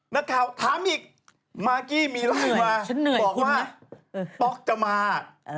นักข่าวถามอีกมากกี้มีไล่มาบอกว่าป๊อกจะมา